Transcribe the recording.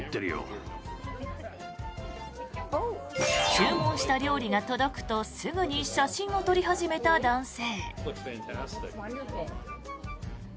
注文した料理が届くとすぐに写真を撮り始めた男性。